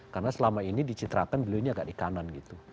karena selama ini dicitrakan beliau ini agak di kanan gitu